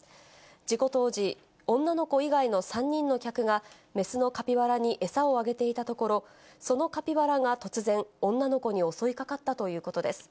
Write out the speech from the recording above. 事故当時、女の子以外の３人の客が、雌のカピバラに餌をあげていたところ、そのカピバラが突然、女の子に襲いかかったということです。